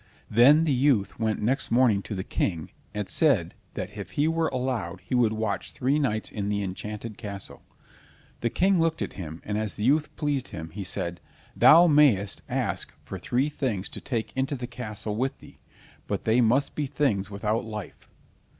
Then the youth went next morning to the King, and said that if he were allowed he would watch three nights in the enchanted castle. The King looked at him, and as the youth pleased him, he said: "Thou mayst ask for three things to take into the castle with thee, but they must be things without life."